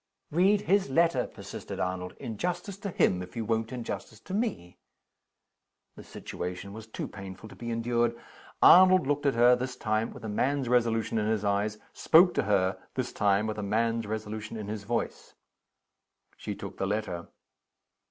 "Read his letter," persisted Arnold. "In justice to him, if you won't in justice to me." The situation was too painful to be endured. Arnold looked at her, this time, with a man's resolution in his eyes spoke to her, this time, with a man's resolution in his voice. She took the letter.